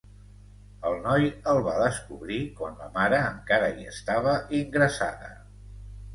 El noi el va descobrir quan la mare encara hi estava ingressada.